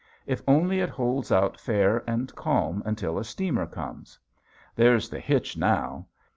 If only it holds out fair and calm until a steamer comes! There's the hitch now.